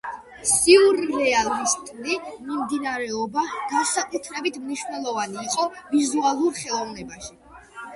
სიურრეალისტური მიმდინარეობა განსაკუთრებით მნიშვნელოვანი იყო ვიზუალურ ხელოვნებაში.